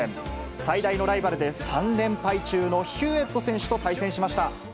最大のライバルで３連敗中のヒューエット選手と対戦しました。